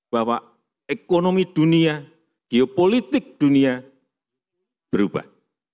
bahwa ekonomi dunia geopolitik dunia berubah